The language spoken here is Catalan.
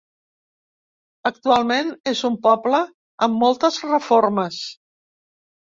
Actualment és un poble amb moltes reformes.